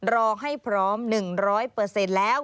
รอให้พร้อม๑๐๐แล้ว